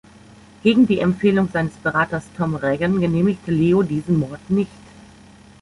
Gegen die Empfehlung seines Beraters Tom Reagan genehmigt Leo diesen Mord nicht.